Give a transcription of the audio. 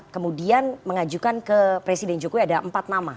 kemudian mengajukan ke presiden jokowi ada empat nama